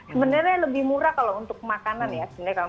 sebenarnya lebih murah kalau untuk makanan ya